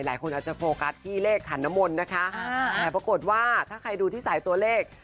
หลายคนอาจจะโฟกัสที่เลขขันนมลนะคะแต่ปรากฏว่าถ้าใครดูที่สายตัวเลข